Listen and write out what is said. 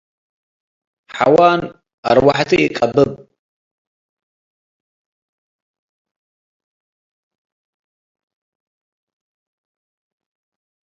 . ሐዋን አርወሐቱ ኢቀብብ